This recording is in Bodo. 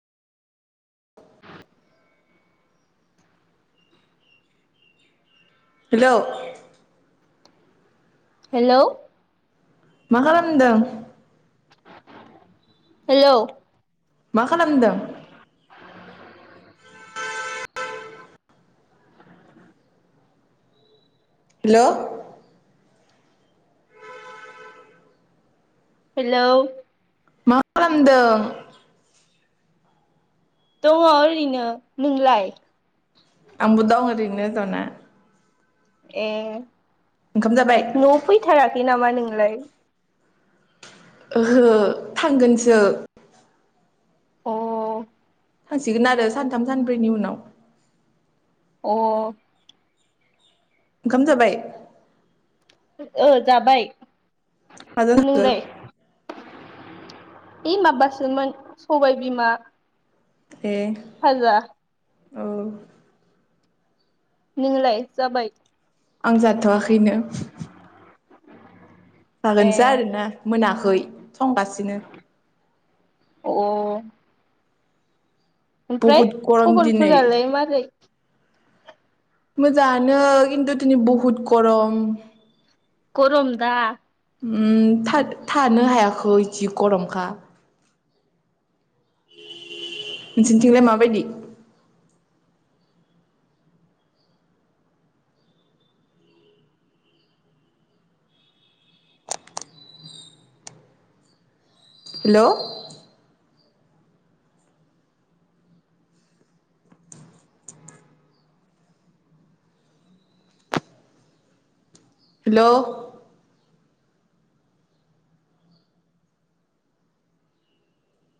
हेलौ हेलौ मा खालामदों? हेलौ मा खालामदों? हेलौ हेलौ मा खालामदों? दङो ओरैनो नोंलाय? आंबो दं ओरैनो ज'ना ए ओंखाम जाबाय न'आव फैथाराखै नामा नों? नोंलाय ओहो थांगोनसो अ थांसिगोन आरो सानथाम सानब्रैनि उनाव अ ओंखाम जाबाय ओ जाबाय [unintelligible] हि माबासोमोन सबाय बिमा ए फाजा औ नोंलाय जाबाय? आं जाथ'वाखैनो। ए जागोनसै आरोना मोना खै संगासिनो। अ ओमफ्राय बहुद गरम दिनै खबरफोरालाय मारै? मोजाङानो खिन्थु दिनै बहुत गरम। गरम दा ओ थाद थानो हायाखै जि गरमखा। नोंसिनिथिंलाय माबायदि? Hello hello